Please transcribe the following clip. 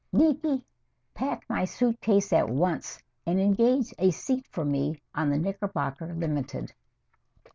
Niki, pack my suit case at once, and engage a seat for me on the Knickerbocker Limited."